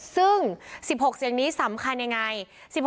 ซึ่ง๑๖เสียงนี้สำคัญยังไง